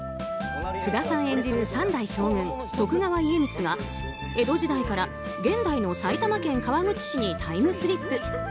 津田さん演じる３代将軍・徳川家光が江戸時代から現代の埼玉県川口市にタイムスリップ。